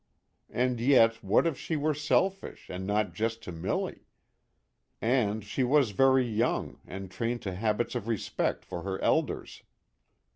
And yet what if she were " selfish "? and not just to Milly ? And she was very young, and trained to habits of respect for her elders.